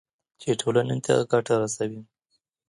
چې ټولنې ته ګټه رسوي.